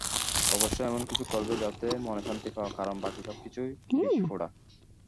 অবশ্যই এমনকিছু করবে যাতে মনে শান্তি পাও, কারণ বাকি সবকিছুই বিষফোড়া।